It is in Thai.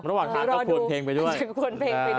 ระหว่างทางก็ควรเพลงไปด้วย